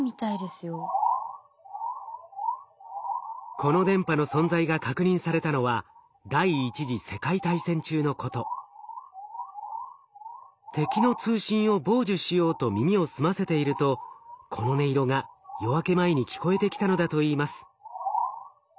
この電波の存在が確認されたのは敵の通信を傍受しようと耳を澄ませているとこの音色が夜明け前に聞こえてきたのだといいます。